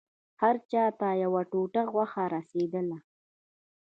هر چا ته يوه ټوټه غوښه رسېدله.